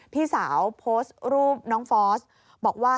พี่สาวโพสต์รูปน้องฟอสบอกว่า